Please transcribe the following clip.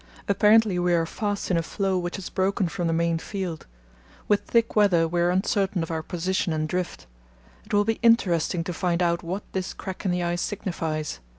Apparently we are fast in a floe which has broken from the main field. With thick weather we are uncertain of our position and drift. It will be interesting to find out what this crack in the ice signifies.